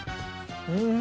うん！